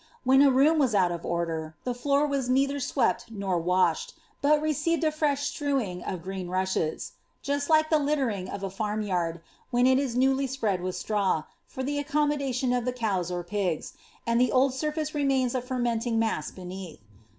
When a room was out of order, the floor was neither swept nor washed, but received a fresh strewing of green rushes ; just like the littering of a farm yard, when it is newly spread with straw, for llie accommoilation of the cows or pigs, and the old surface remains a fermenting mass beneath.